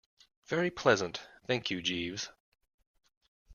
Very pleasant, thank you, Jeeves.